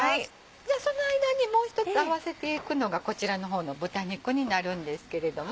じゃあその間にもう１つ合わせていくのがこちらの方の豚肉になるんですけれども。